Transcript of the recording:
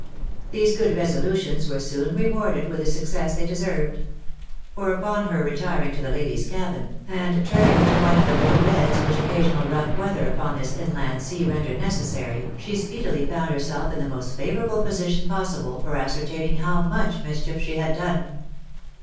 These good resolutions were soon rewarded with the success they deserved ; for upon her retiring to the ladies' cabin, and turning into one of the little beds which occasional rough weather upon this inland sea rendered necessary, she speedily foiind herself in the most favourable position possible for ascertaining how much mischief she had done.